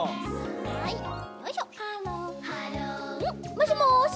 もしもし？